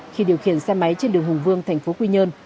khi điều khiển xe máy trên đường hùng vương thành phố quy nhơn